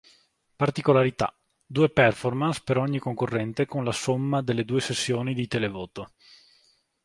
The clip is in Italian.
Particolarità: Due performances per ogni concorrente con la somma delle due sessioni di televoto.